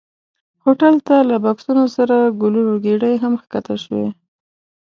هوټل ته له بکسونو سره ګلونو ګېدۍ هم ښکته شوې.